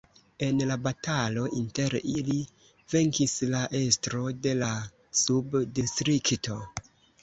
En la batalo inter ili venkis la estro de la subdistrikto.